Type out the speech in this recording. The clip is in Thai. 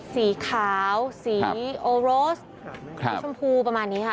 สีขาวสีโอโรสสีชมพูประมาณนี้ค่ะ